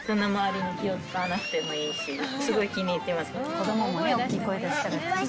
子供もね大きい声出したり。